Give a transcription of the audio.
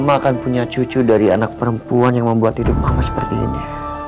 mama akan punya cucu dari anak perempuan yang membuat hidup mama seperti ini